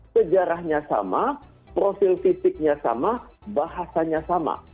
sejarahnya sama profil titiknya sama bahasanya sama